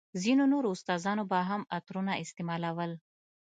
ځينو نورو استادانو به هم عطرونه استعمالول.